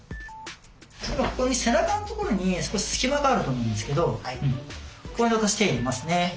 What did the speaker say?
今背中のところに少し隙間があると思うんですけどここに私手入れますね。